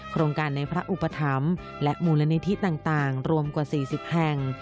โครงการในพระอุปถัมภ์และมูลนิธิต่างรวมกว่า๔๐แห่ง